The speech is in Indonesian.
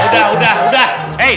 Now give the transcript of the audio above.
udah udah udah